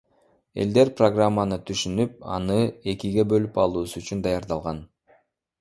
Элдер программаны түшүнүп, аны экиге бөлүп алуусу үчүн даярдалган.